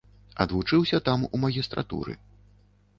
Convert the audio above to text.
Адвучыўся там у магістратуры.